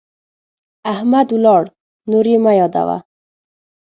احمد ولاړ، نور يې مه يادوه.